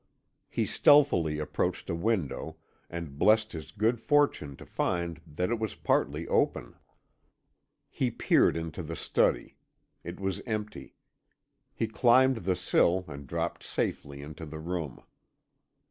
He stealthily approached a window, and blessed his good fortune to find that it was partly open. He peered into the study; it was empty. He climbed the sill, and dropped safely into the room.